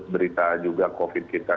berita juga covid kita